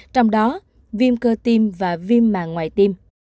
trong đó viêm cơ tiêm và viêm màng ngoài tiêm